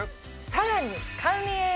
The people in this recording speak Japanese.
さらに。